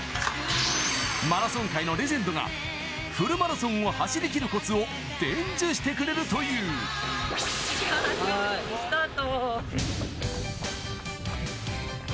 マラソン界のレジェンドがフルマラソンを走りきるコツを伝授してくれるという。スタート。